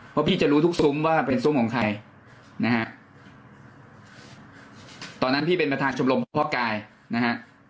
เพราะพี่จะรู้ทุกซุ้มว่าเป็นซุ้มของใครนะฮะตอนนั้นพี่เป็นประธานชมรมคุณพ่อกายนะฮะ